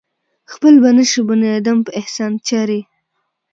خپل به نشي بنيادم پۀ احسان چرې